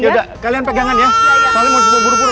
yaudah kalian pegangan ya soalnya mau buru buru